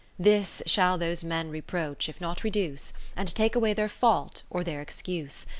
This shall those men reproach, if not reduce. And take away their fault, or their excuse.